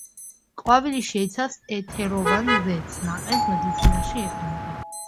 ყვავილი შეიცავს ეთეროვან ზეთს; ნაყენს მედიცინაში იყენებენ.